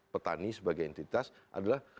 petani sebagai entitas adalah